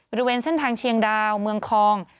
บริเวณเส้นทางเชียงดาวเมืองคอง